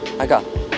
kesannya kayak gini